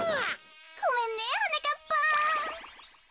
ごめんねはなかっぱん。